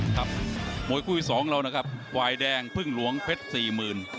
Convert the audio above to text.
ครับมวยคู่ที่สองเรานะครับฝ่ายแดงพึ่งหลวงเพชรสี่หมื่น